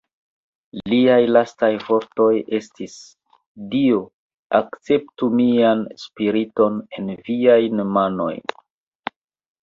Liaj lastaj vortoj estis: "Dio, akceptu mian spiriton en Viajn manojn!".